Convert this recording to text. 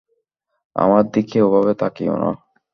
আমার দিকে ওভাবে তাকিয়ো না!